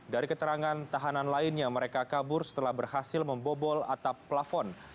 dari keterangan tahanan lainnya mereka kabur setelah berhasil membobol atap plafon